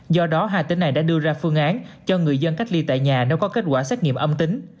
do đó hai tỉnh này đã đưa ra phương án cho người dân cách ly tại nhà nếu có kết quả xét nghiệm âm tính